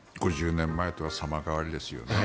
５０年前とは様変わりですよね。